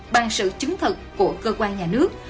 bằng sự chứng thật của cơ quan nhà nước